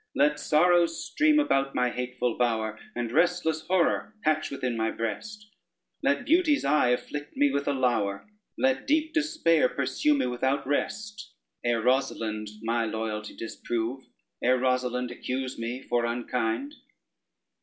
Let sorrows stream about my hateful bower, And restless horror hatch within my breast: Let beauty's eye afflict me with a lour, Let deep despair pursue me without rest, Ere Rosalynde my loyalty disprove, Ere Rosalynde accuse me for unkind.